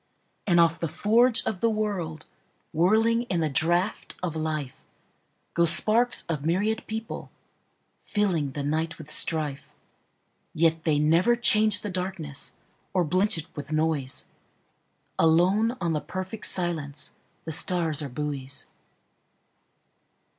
And off the forge of the world, Whirling in the draught of life, Go sparks of myriad people, fillingThe night with strife. Yet they never change the darknessOr blench it with noise; Alone on the perfect silenceThe stars are buoys.